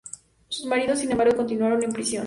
Sus maridos, sin embargo, continuaron en prisión.